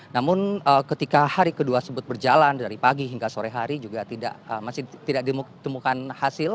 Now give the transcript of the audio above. namun ketika hari kedua sebut berjalan dari pagi hingga sore hari juga masih tidak ditemukan hasil